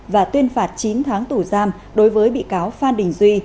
và tuyên phạt chín tháng tù giam đối với bị cáo phan đình duy